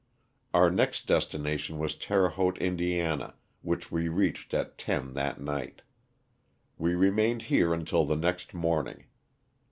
Our next destination was Terre Haute, Ind., which we reached at ten that night. We remained here urrtil the next morning.